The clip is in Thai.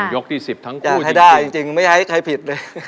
อยากให้ได้ไม่ให้ผิด